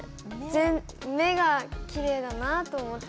目がきれいだなと思って。